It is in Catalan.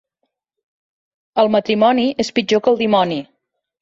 El matrimoni és pitjor que el dimoni.